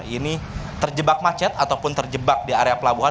ini terjebak macet ataupun terjebak di area pelabuhan